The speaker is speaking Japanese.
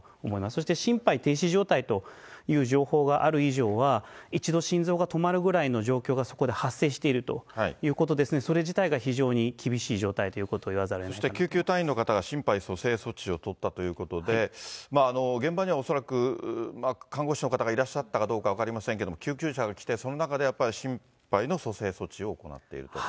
そして心肺停止状態という情報がある以上は、一度心臓が止まるぐらいの状況がそこで発生しているということですので、それ自体が非常に厳しい状態ということを言わざるをえないかと思そして救急隊員の方が心肺蘇生措置を取ったということで、現場にはおそらく、看護師の方がいらっしゃったかどうかは分かりませんけど、救急車が来て、その中でやっぱり心肺の蘇生措置を行っていると。